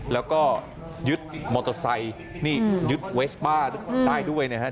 แล้วก็ยึดมอเตอร์ไซค์นี่ยึดเวสป้าได้ด้วยนะฮะ